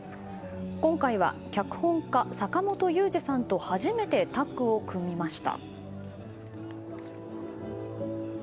今回は脚本家、坂元裕二さんと初めてタッグを組みました。